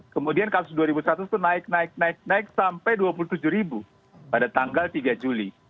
kemudian kasus dua ribu seratus itu naik naik naik sampai dua puluh tujuh ribu pada tanggal tiga juli